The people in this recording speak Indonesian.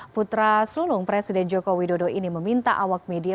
putra sulung presiden joko widodo ini meminta awak media